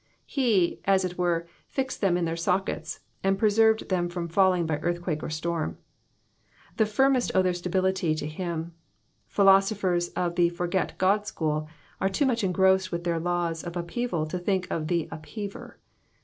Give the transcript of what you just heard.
'^^ He, as it were, fixed them in their sockets, and preserved them from falling by earthquake or storm. The firmest owe their stability to him. Philosophers of the forget God school are too much engrossed with their laws of upheaval to think of the Upheaver.